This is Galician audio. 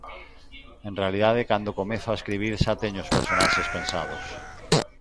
En realidade cando comezo a escribir xa teño os personaxes pensados.